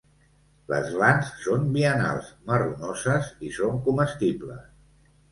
Les glans són biennals, marronoses i són comestibles.